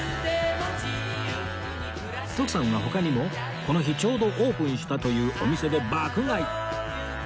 徳さんは他にもこの日ちょうどオープンしたというお店で爆買い！